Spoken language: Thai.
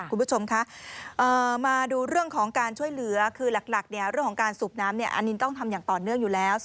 คุณผู้ชมคะมาดูเรื่องของการช่วยเหลือคือหลักเรื่องของการสูบน้ำอานินต้องทำอย่างต่อเนื่องอยู่แล้ว